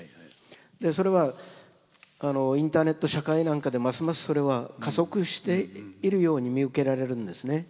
でそれはインターネット社会なんかでますますそれは加速しているように見受けられるんですね。